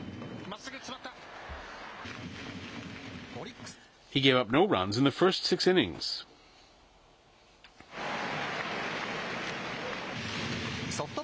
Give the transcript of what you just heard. まっすぐ、詰まった。